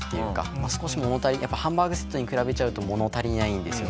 少し物足りないハンバーグセットに比べちゃうと物足りないんですよ。